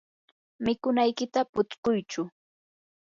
mikunaykita putskuychu.